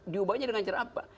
diubahnya dengan cara apa